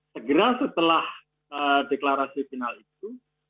segera setelah deklarasi final itu